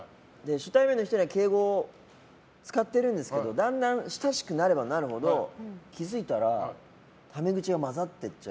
初対面の人には敬語を使っているんですけどだんだん、親しくなればなるほど気づいたらタメ口が混ざっていっちゃう。